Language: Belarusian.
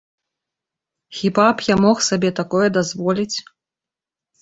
Хіба б я мог сабе такое дазволіць?